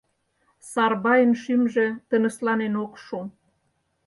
Сарбайын шӱмжӧ тынысланен ок шу.